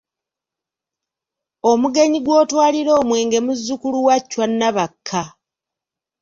Omugenyi gw’otwalira omwenge muzzukulu wa Chwa Nabakka.